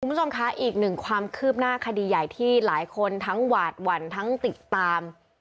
คุณผู้ชมคะอีกหนึ่งความคืบหน้าคดีใหญ่ที่หลายคนทั้งหวาดหวั่นทั้งติดตาม